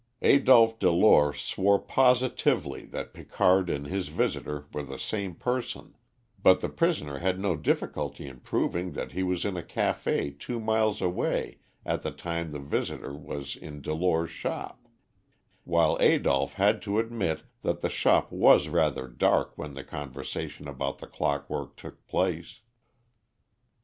Adolph Delore swore positively that Picard and his visitor were the same person, but the prisoner had no difficulty in proving that he was in a café two miles away at the time the visitor was in Delore's shop, while Adolph had to admit that the shop was rather dark when the conversation about the clockwork took place.